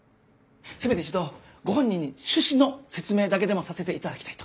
せめて一度ご本人に趣旨の説明だけでもさせていただきたいと。